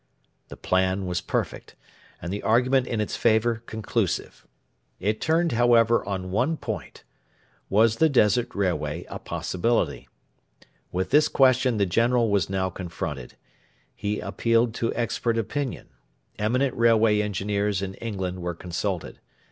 The plan was perfect, and the argument in its favour conclusive. It turned, however, on one point: Was the Desert Railway a possibility? With this question the General was now confronted. He appealed to expert opinion. Eminent railway engineers in England were consulted.